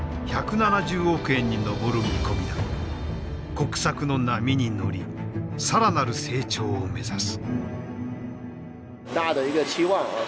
国策の波に乗り更なる成長を目指す。